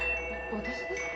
私ですか？